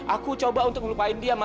aku coba untuk ngelupain dia ma